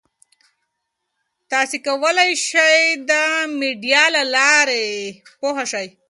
تاسي کولای شئ د میډیا له لارې پوهه شئ.